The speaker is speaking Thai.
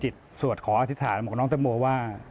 ก็ขออธิษฐานของน้องตังโมว่า